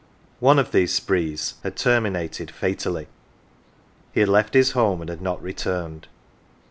One of these sprees had terminated fatally. He had left his home and had not returned.